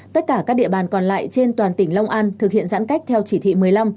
tất cả các địa bàn còn lại trên toàn tỉnh long an thực hiện giãn cách theo chỉ thị một mươi năm